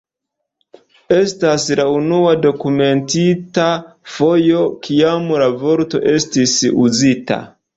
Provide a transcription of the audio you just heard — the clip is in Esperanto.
Estas la unua dokumentita fojo, kiam la vorto estis uzita.